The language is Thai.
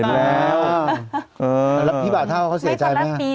แล้วพี่บาทเท่าเขาเสียใจไหมฮะ